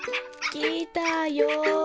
きたよ。